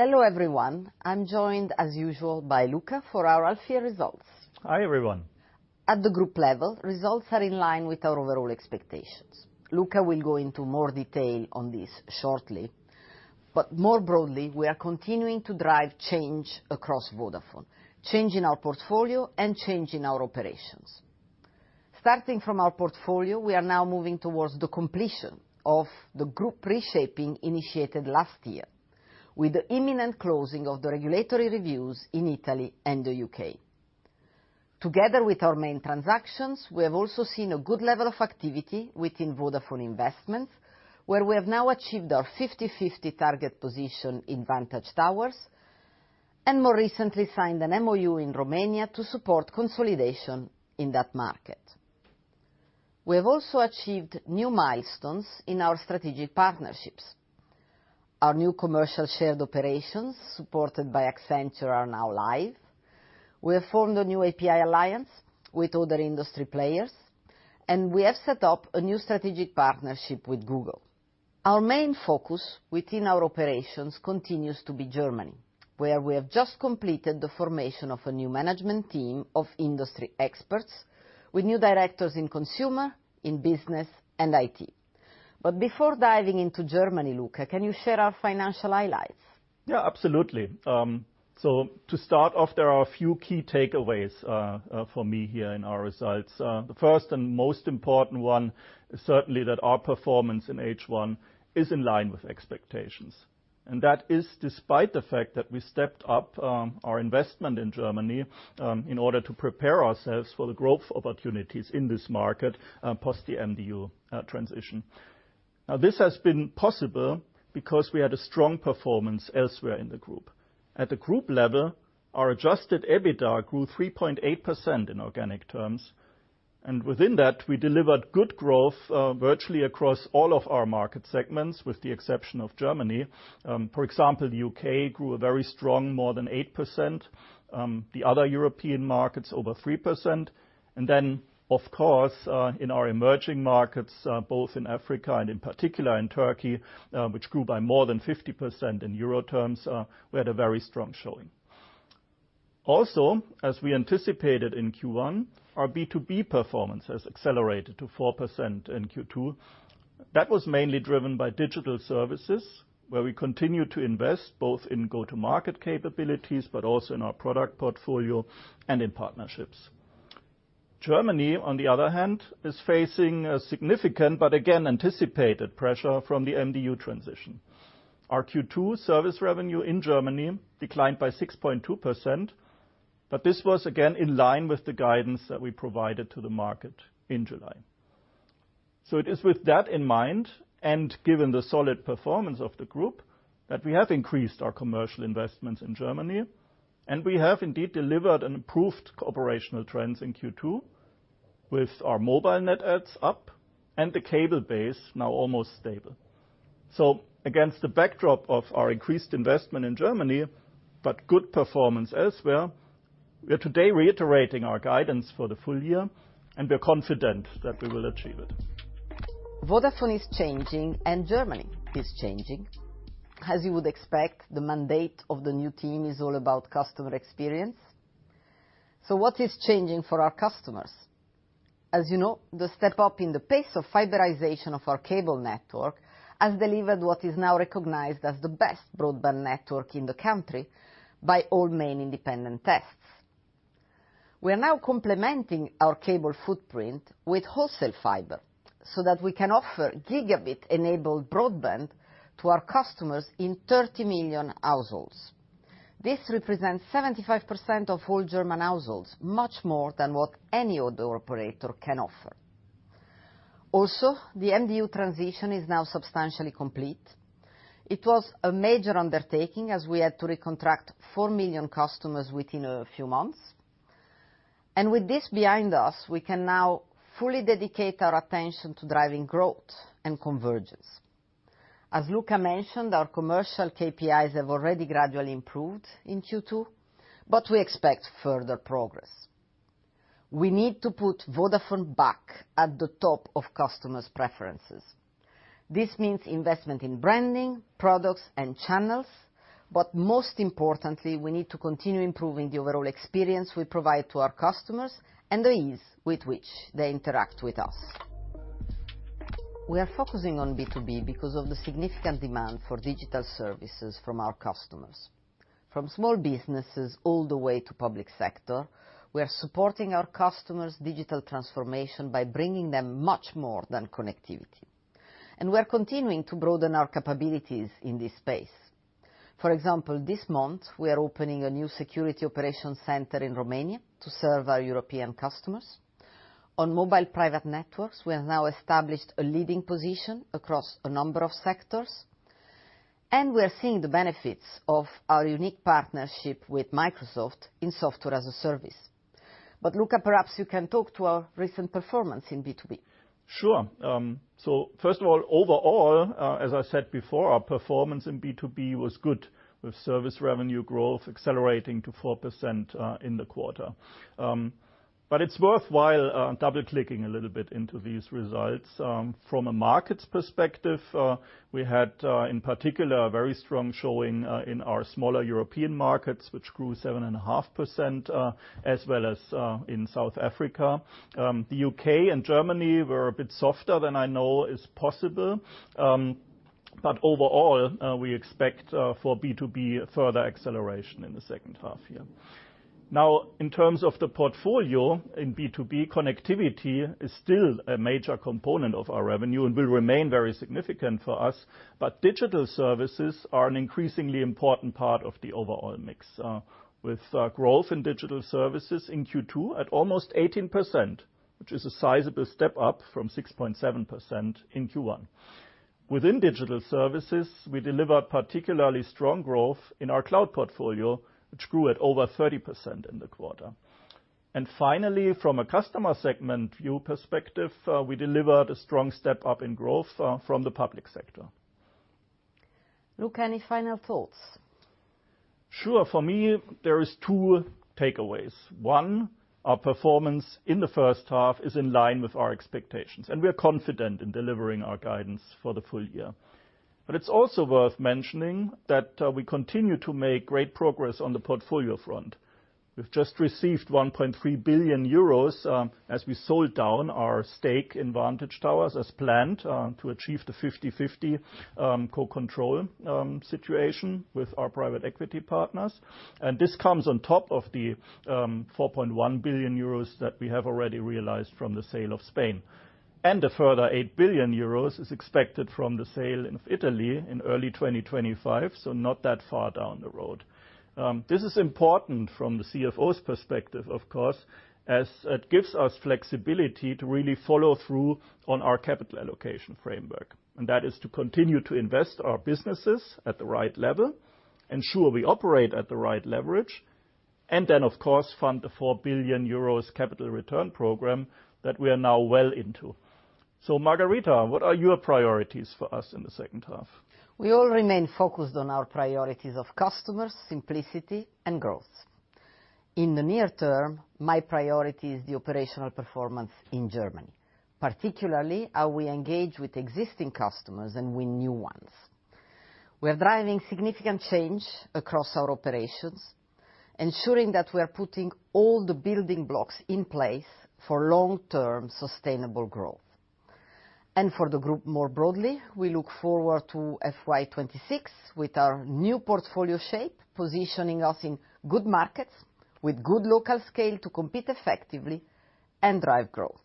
Hello everyone. I'm joined, as usual, by Luka for our half-year results. Hi everyone. At the group level, results are in line with our overall expectations. Luka will go into more detail on this shortly, but more broadly, we are continuing to drive change across Vodafone, changing our portfolio and changing our operations. Starting from our portfolio, we are now moving towards the completion of the group reshaping initiated last year, with the imminent closing of the regulatory reviews in Italy and the U.K. Together with our main transactions, we have also seen a good level of activity within Vodafone Investments, where we have now achieved our 50/50 target position in Vantage Towers and more recently signed an MoU in Romania to support consolidation in that market. We have also achieved new milestones in our strategic partnerships. Our new commercial shared operations, supported by Accenture, are now live. We have formed a new API alliance with other industry players, and we have set up a new strategic partnership with Google. Our main focus within our operations continues to be Germany, where we have just completed the formation of a new management team of industry experts with new directors in consumer, in business, and IT. But before diving into Germany, Luka, can you share our financial highlights? Yeah, absolutely. So to start off, there are a few key takeaways for me here in our results. The first and most important one is certainly that our performance in H1 is in line with expectations, and that is despite the fact that we stepped up our investment in Germany in order to prepare ourselves for the growth opportunities in this market post the MDU transition. Now, this has been possible because we had a strong performance elsewhere in the group. At the group level, our Adjusted EBITDA grew 3.8% in organic terms, and within that, we delivered good growth virtually across all of our market segments with the exception of Germany. For example, the U.K. grew very strong, more than 8%. The other European markets, over 3%. Then, of course, in our emerging markets, both in Africa and in particular in Turkey, which grew by more than 50% in euro terms, we had a very strong showing. Also, as we anticipated in Q1, our B2B performance has accelerated to 4% in Q2. That was mainly driven by digital services, where we continue to invest both in go-to-market capabilities, but also in our product portfolio and in partnerships. Germany, on the other hand, is facing significant, but again, anticipated pressure from the MDU transition. Our Q2 service revenue in Germany declined by 6.2%, but this was again in line with the guidance that we provided to the market in July. So it is with that in mind, and given the solid performance of the group, that we have increased our commercial investments in Germany, and we have indeed delivered and improved operational trends in Q2 with our mobile net adds up and the cable base now almost stable. So against the backdrop of our increased investment in Germany, but good performance elsewhere, we are today reiterating our guidance for the full year, and we are confident that we will achieve it. Vodafone is changing, and Germany is changing. As you would expect, the mandate of the new team is all about customer experience. So what is changing for our customers? As you know, the step up in the pace of fiberization of our cable network has delivered what is now recognized as the best broadband network in the country by all main independent tests. We are now complementing our cable footprint with wholesale fiber so that we can offer gigabit-enabled broadband to our customers in 30 million households. This represents 75% of all German households, much more than what any other operator can offer. Also, the MDU transition is now substantially complete. It was a major undertaking as we had to recontract four million customers within a few months, and with this behind us, we can now fully dedicate our attention to driving growth and convergence. As Luka mentioned, our commercial KPIs have already gradually improved in Q2, but we expect further progress. We need to put Vodafone back at the top of customers' preferences. This means investment in branding, products, and channels, but most importantly, we need to continue improving the overall experience we provide to our customers and the ease with which they interact with us. We are focusing on B2B because of the significant demand for digital services from our customers. From small businesses all the way to public sector, we are supporting our customers' digital transformation by bringing them much more than connectivity, and we are continuing to broaden our capabilities in this space. For example, this month, we are opening a new security operations center in Romania to serve our European customers. On mobile private networks, we have now established a leading position across a number of sectors, and we are seeing the benefits of our unique partnership with Microsoft in software as a service. But Luka, perhaps you can talk to our recent performance in B2B. Sure. So first of all, overall, as I said before, our performance in B2B was good, with service revenue growth accelerating to 4% in the quarter. But it's worthwhile double-clicking a little bit into these results. From a markets perspective, we had in particular a very strong showing in our smaller European markets, which grew 7.5%, as well as in South Africa. The U.K. and Germany were a bit softer than I know is possible. But overall, we expect for B2B further acceleration in the second half here. Now, in terms of the portfolio in B2B, connectivity is still a major component of our revenue and will remain very significant for us, but digital services are an increasingly important part of the overall mix, with growth in digital services in Q2 at almost 18%, which is a sizable step up from 6.7% in Q1. Within digital services, we delivered particularly strong growth in our cloud portfolio, which grew at over 30% in the quarter. And finally, from a customer segment view perspective, we delivered a strong step up in growth from the public sector. Luka, any final thoughts? Sure. For me, there are two takeaways. One, our performance in the first half is in line with our expectations, and we are confident in delivering our guidance for the full year. But it's also worth mentioning that we continue to make great progress on the portfolio front. We've just received 1.3 billion euros as we sold down our stake in Vantage Towers as planned to achieve the 50/50 co-control situation with our private equity partners. And this comes on top of the 4.1 billion euros that we have already realized from the sale of Spain. And a further 8 billion euros is expected from the sale of Italy in early 2025, so not that far down the road. This is important from the CFO's perspective, of course, as it gives us flexibility to really follow through on our capital allocation framework. And that is to continue to invest our businesses at the right level, ensure we operate at the right leverage, and then, of course, fund the 4 billion euros capital return program that we are now well into. So Margherita, what are your priorities for us in the second half? We all remain focused on our priorities of customers, simplicity, and growth. In the near term, my priority is the operational performance in Germany, particularly how we engage with existing customers and win new ones. We are driving significant change across our operations, ensuring that we are putting all the building blocks in place for long-term sustainable growth, and for the group more broadly, we look forward to FY26 with our new portfolio shape, positioning us in good markets with good local scale to compete effectively and drive growth.